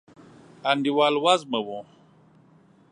انډیوال وزمه و